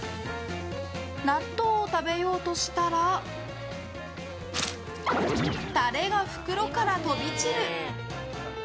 納豆を食べようとしたらタレが袋から飛び散る。